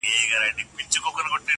له یوه کوهي را وزي بل ته لوېږي -